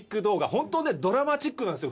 ホントドラマチックなんですよ